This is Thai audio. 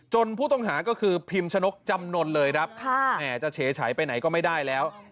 ผู้ต้องหาก็คือพิมชนกจำนวนเลยครับจะเฉยไปไหนก็ไม่ได้แล้ว